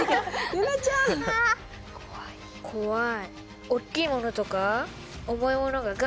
怖い。